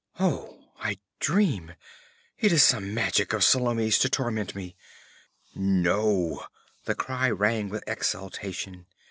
'Oh, I dream! It is some magic of Salome's to torment me!' 'No!' The cry rang with exultation.